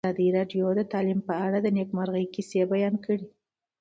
ازادي راډیو د تعلیم په اړه د نېکمرغۍ کیسې بیان کړې.